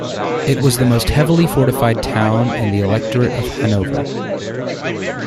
It was the most heavily fortified town in the Electorate of Hanover.